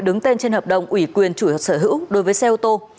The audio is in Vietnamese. đứng tên trên hợp đồng ủy quyền chủ hợp sở hữu đối với xe ô tô